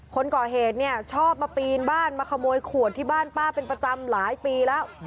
คนก่อเหตุเนี่ยชอบมาปีนบ้านมาขโมยขวดที่บ้านป้าเป็นประจำหลายปีแล้ว